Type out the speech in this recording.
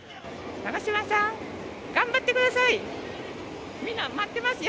長嶋さん、頑張ってください。